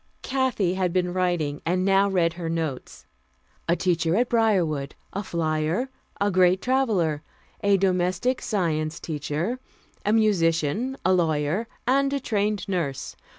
Kathy had been writing, and now read her notes: "A teacher at Briarwood; a flyer; a great traveler; a Domestic Science teacher; a musician; a lawyer; and a trained nurse.